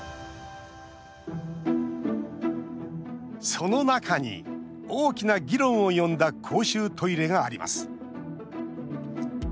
その中に、大きな議論を呼んだ公衆トイレがあります。